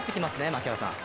槙原さん。